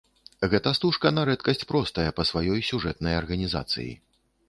Гэта стужка на рэдкасць простая па сваёй сюжэтнай арганізацыі.